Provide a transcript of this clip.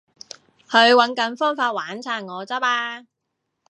佢搵緊方法玩殘我咋嘛